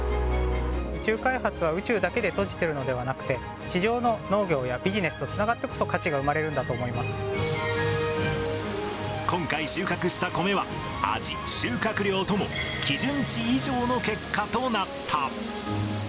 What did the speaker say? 宇宙開発は宇宙だけで閉じてるのではなくて、地上の農業やビジネスとつながってこそ、価値が生まれるんだと思今回収穫した米は、味、収穫量とも基準値以上の結果となった。